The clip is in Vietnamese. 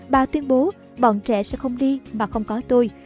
bà tuyên bố bọn trẻ sẽ không đi mà không có tôi